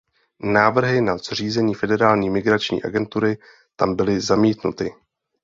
Návrhy na zřízení federální migrační agentury tam byly zamítnuty.